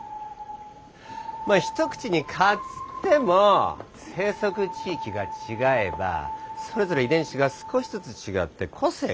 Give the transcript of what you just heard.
まあ一口に蚊つっても生息地域が違えばそれぞれ遺伝子が少しずつ違って個性がある。